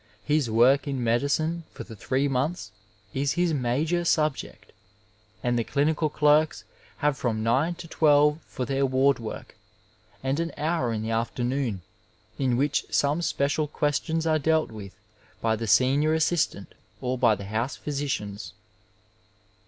His work in medicine for the three months is his major subject and the clinical clerks have from nine to twelve for their ward work, and an hour in the afternoon in which some special questions are dealt with by the senior assistant or by the house physicians.